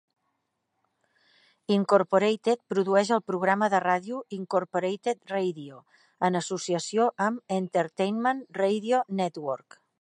Incorporated produeix el programa de ràdio "Incorporated Radio" en associació amb Entertainment Radio Network.